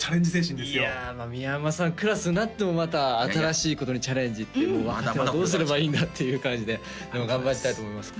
いや三山さんクラスになってもまた新しいことにチャレンジってもう若手はどうすればいいんだっていう感じででも頑張りたいと思います